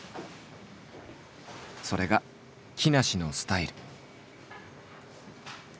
それが木梨のスタイル。